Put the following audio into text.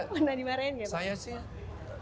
pernah dimarahin tidak pak